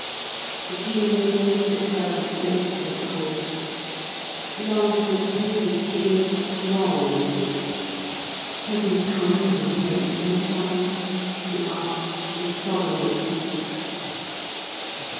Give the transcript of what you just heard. The Dean gazed at her with melting eyes. Love and pity beamed strong in them. "Have you come to repent, my child?" he asked, with solemn insistence.